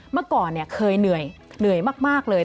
เมื่อก่อนเคยเหนื่อย